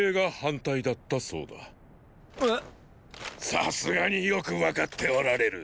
さすがによく分かっておられる。